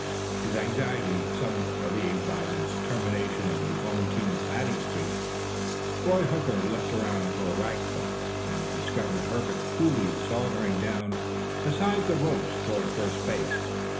His anxiety somewhat relieved by this termination of the home team's batting streak, Roy Hooker looked around for Rackliff, and discovered Herbert coolly sauntering down beside the ropes toward first base.